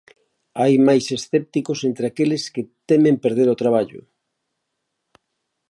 Hai máis escépticos entre aqueles que temen perder o traballo?